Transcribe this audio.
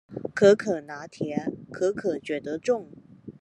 可可拿鐵，可可覺得重